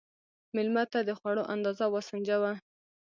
مېلمه ته د خوړو اندازه وسنجوه.